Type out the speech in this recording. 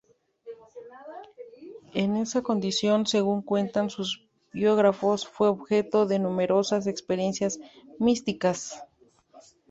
En esa condición, según cuentan sus biógrafos, fue objeto de numerosas experiencias místicas.